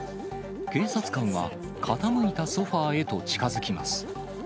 警察官は傾いたソファーへと近づきます。